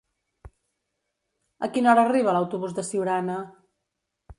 A quina hora arriba l'autobús de Siurana?